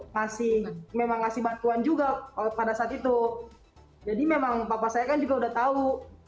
masih memang ngasih bantuan juga pada saat itu jadi memang papa saya kan juga udah tahu